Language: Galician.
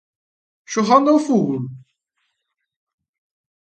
Xogando ao fútbol?